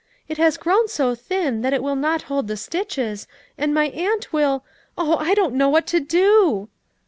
"It has grown so thin that it will not hold the stitches, and my aunt will — Oh, I don't know what to do!"